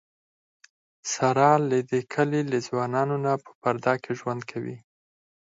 ساره له د کلي له ځوانانونه په پرده کې ژوند کوي.